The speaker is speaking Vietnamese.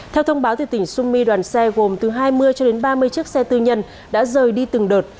theo thông báo tỉnh summi đoàn xe gồm từ hai mươi cho đến ba mươi chiếc xe tư nhân đã rời đi từng đợt